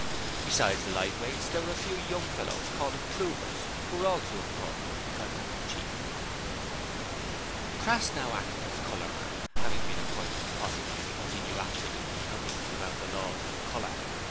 Besides the lightweights there were a few young fellows called improvers, who were also employed because they were cheap. Crass now acted as colourman, having been appointed possibly because he knew absolutely nothing about the laws of colour.